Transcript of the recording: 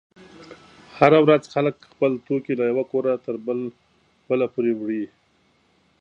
هره ورځ خلک خپل توکي له یوه کوره تر بله پورې وړي.